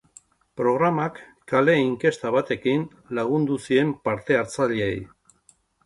Programak kale-inkesta batekin lagundu zien parte-hatzaileei.